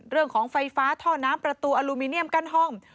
เรื่องของไฟฟ้าท่อน้ำประตูอลูมิเนียมกั้นห้อง